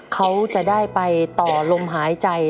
เขาจะได้ไปต่อลมหายใจ